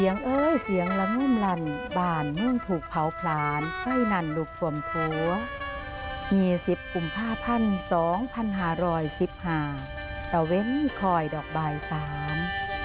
นี่สิบกุมภาพันธ์สองพันหารอยสิบหาตะเว้นคอยดอกบายสาม